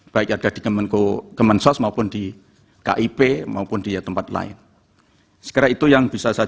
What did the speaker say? baik ada di kemensos maupun di kip maupun di tempat lain sekira itu yang bisa saya